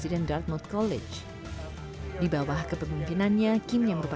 impact yang sangat positif untuk indonesia